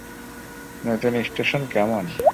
নতুন স্টেশন কেমন?